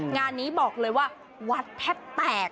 งานนี้บอกเลยว่าวัดแทบแตก